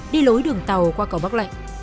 đi lối đường tàu qua cầu bắc lệnh